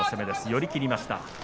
寄り切りました。